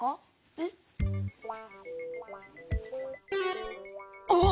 えっ？おっ！